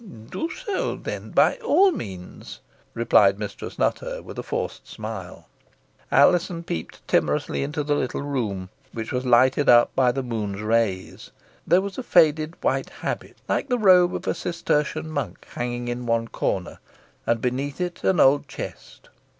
"Do so, then, by all means," replied Mistress Nutter with a forced smile. Alizon peeped timorously into the little room, which was lighted up by the moon's rays. There was a faded white habit, like the robe of a Cistertian monk, hanging in one corner, and beneath it an old chest.